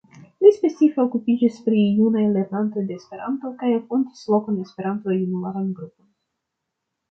Li specife okupiĝis pri junaj lernantoj de Esperanto kaj fondis lokan Esperanto-junularan grupon.